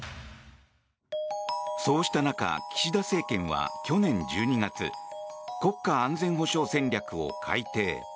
そうした中、岸田政権は去年１２月国家安全保障戦略を改定。